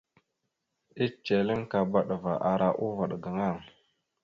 Eceleŋkaba dəva ara uvaɗ gaŋa.